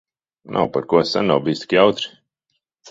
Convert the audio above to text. Nav par ko. Sen nav bijis tik jautri.